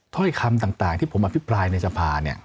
ถ้อยคำต่างที่ผมอภิปรายในสภา